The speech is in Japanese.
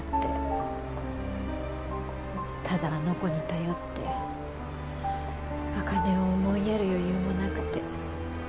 ただあの子に頼って茜を思いやる余裕もなくて。